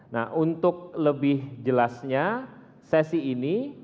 nah untuk lebih jelasnya sesi ini